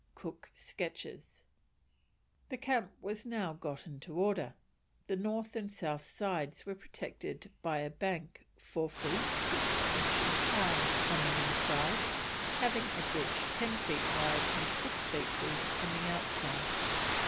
COOK SKETCHES. The camp was now got into order; the north and south sides were protected by a bank 4 feet 6 inches high on the inside, having a ditch 10 feet wide and 6 feet deep on the outside.